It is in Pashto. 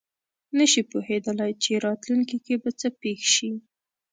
نه شي پوهېدلی چې راتلونکې کې به څه پېښ شي.